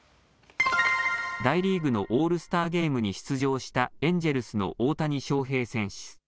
大リーグのオールスターゲームに出場したエンジェルスの大谷翔平選手。